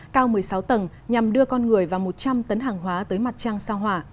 cao một mươi sáu tầng nhằm đưa con người và một trăm linh tấn hàng hóa tới mặt trăng sao hỏa